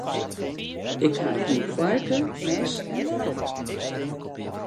Ik ha gjin foarke, mes en leppel.